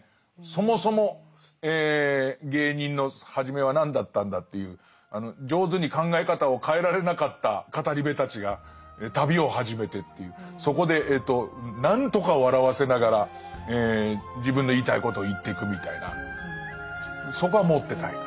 そもそも芸人のはじめは何だったんだっていう上手に考え方を変えられなかった語部たちが旅を始めてっていうそこで何とか笑わせながら自分の言いたいことを言ってくみたいなそこは持ってたい。